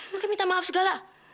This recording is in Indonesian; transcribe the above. mungkin minta maaf segala